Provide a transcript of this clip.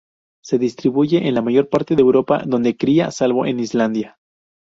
Se distribuye en la mayor parte de Europa, donde cría, salvo en Islandia.